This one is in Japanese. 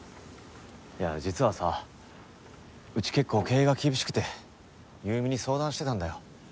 いや実はさうち結構経営が厳しくて優美に相談してたんだよ。